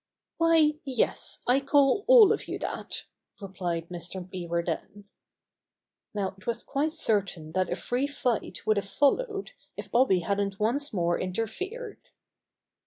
"Why, yes, I call all of you that I'' replied Mr. Beaver then. Now it was quite certain that a free fight would have followed if Bobby hadn't once more interfered.